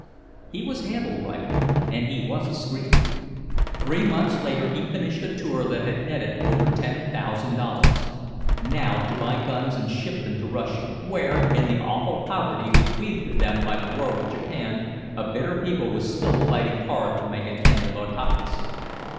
He was handled right and he was a scream. Three months later he finished a tour that had netted over ten thousand dollars. Now to buy guns and ship them to Russia where in the awful poverty bequeathed to them by the war with Japan, a bitter people was still fighting hard to make an end of autocracy.